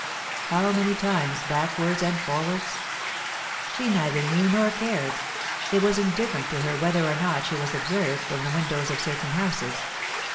How many times backwards and forwards? She neither knew nor cared; it was indifferent to her whether or not she was observed from the windows of certain houses.